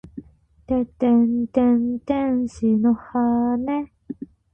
ててんてん天使の羽！